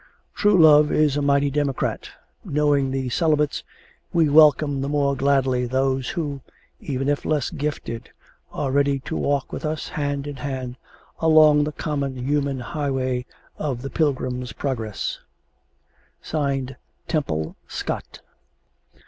True love is a mighty democrat. Knowing these "Celibates," we welcome the more gladly those who, even if less gifted, are ready to walk with us, hand in hand, along the common human highway of the "pilgrim's progress." TEMPLE SCOTT.